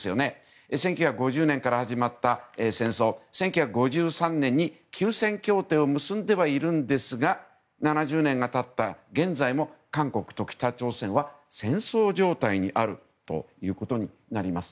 １９５０年から始まった戦争で１９５３年に休戦協定を結んではいるんですが７０年が経った現在も韓国と北朝鮮は戦争状態にあるということになります。